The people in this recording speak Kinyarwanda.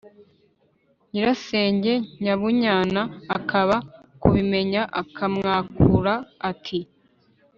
Nyirasenge Nyabunyana akaza kubimenya akamwakura ati